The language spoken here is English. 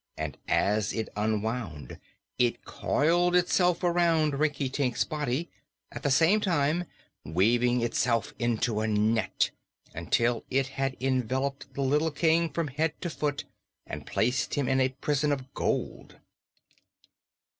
And, as it unwound, it coiled itself around Rinkitink's body, at the same time weaving itself into a net, until it had enveloped the little King from head to foot and placed him in a prison of gold.